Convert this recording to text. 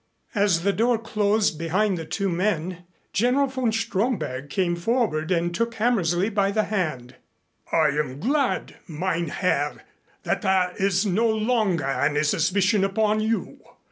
As the door closed behind the two men, General von Stromberg came forward and took Hammersley by the hand. "I am glad, mein Herr, that there is no longer any suspicion upon you.